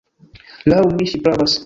Laŭ mi, ŝi pravas.